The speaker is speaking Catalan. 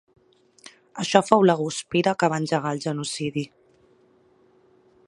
Això fou la guspira que va engegar el genocidi.